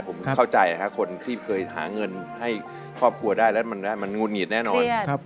ผมเข้าใจคนที่เคยหาเงินให้ครอบครัวได้แล้วมันงูดหงิดแน่นอน